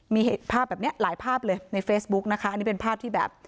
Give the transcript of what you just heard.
มีภาพแบบเนี้ยหลายภาพเลยในเฟซบุ๊กนะคะอันนี้เป็นภาพที่แบบ